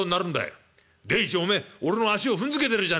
第一お前俺の足を踏んづけてるじゃねえか』